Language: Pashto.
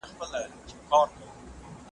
نه په ژمي نه په اوړي څوک آرام وو `